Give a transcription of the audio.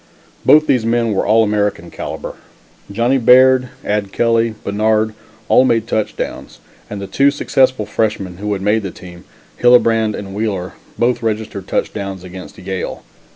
Both these men were All American calibre. Johnny Baird, Ad Kelly, Bannard, all made touchdowns and the two successful freshmen who had made the team, Hillebrand and Wheeler, both registered touchdowns against Yale.